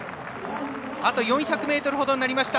あと４００ｍ程になりました。